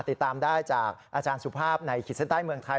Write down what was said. ติดตามได้จากอาจารย์สุภาพในขีดเส้นใต้เมืองไทย